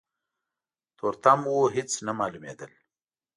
تورتم و هيڅ نه مالومېدل.